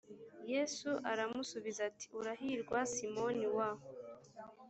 yesu aramusubiza ati urahirwa simoni wa